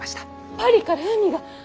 パリから文が？